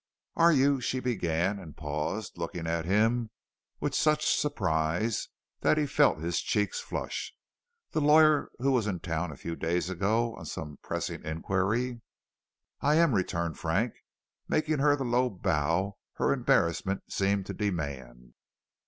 "Are you " she began and paused, looking at him with such surprise that he felt his cheeks flush "the lawyer who was in town a few days ago on some pressing inquiry?" "I am," returned Frank, making her the low bow her embarrassment seemed to demand.